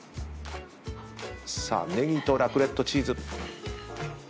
さあネギとラクレットチーズ。